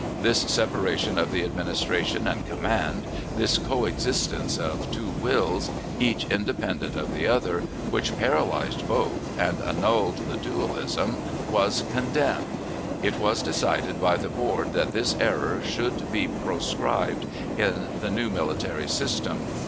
This separation of the administration and command, this coexistence of two wills, each independent of the other, which paralyzed both and annulled the dualism, was condemned. It was decided by the board that this error should be "proscribed" in the new military system.